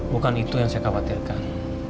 bukan itu yang saya khawatirkan